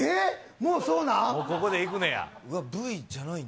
もうそうなん？